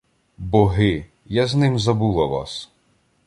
Боги! я з ним забула вас.